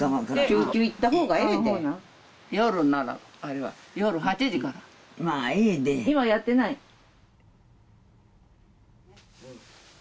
救急行った方がええで夜になるあれは夜８時からまあええで・今やってないん？